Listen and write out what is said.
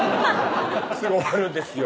「すぐ終わるんですよ」